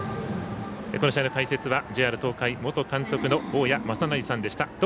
この試合の解説はＪＲ東海元監督の大矢正成さんでした。